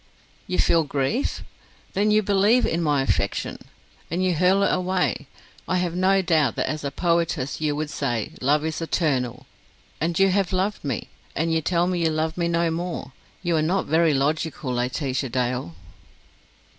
"You feel grief? Then you believe in my affection, and you hurl it away. I have no doubt that as a poetess you would say, love is eternal. And you have loved me. And you tell me you love me no more. You are not very logical, Laetitia Dale."